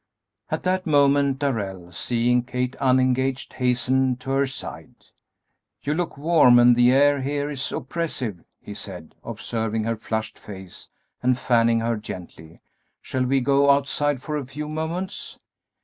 At that moment Darrell, seeing Kate unengaged, hastened to her side. "You look warm and the air here is oppressive," he said, observing her flushed face and fanning her gently; "shall we go outside for a few moments?"